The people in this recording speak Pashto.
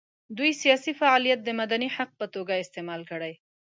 دوی سیاسي فعالیت د مدني حق په توګه استعمال کړي.